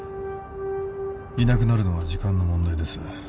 いなくなるのは時間の問題です。